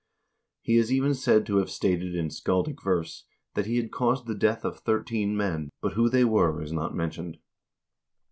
He is even said to have stated in scaldic verse that he had caused the death of thirteen men, but who they were is not mentioned.